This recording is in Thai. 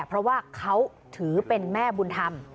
เพราะว่าเขาถือเป็นแม่บุญธรรม